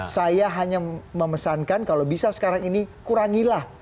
saya hanya memesankan kalau bisa sekarang ini kurangilah